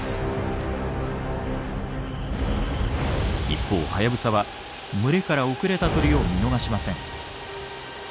一方ハヤブサは群れから遅れた鳥を見逃しません。